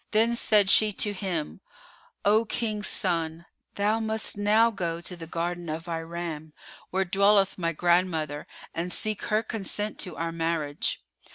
Then said she to him, "O King's son, thou must now go to the garden of Iram, where dwelleth my grandmother, and seek her consent to our marriage.